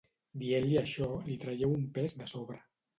Dient-li això, li traieu un pes de sobre.